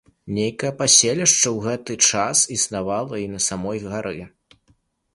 Нейкае паселішча ў гэты час існавала і на самой гары.